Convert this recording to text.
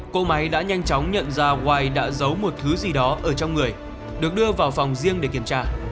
cô máy đã nhanh chóng nhận ra waii đã giấu một thứ gì đó ở trong người được đưa vào phòng riêng để kiểm tra